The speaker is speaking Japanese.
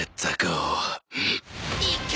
「いけ！」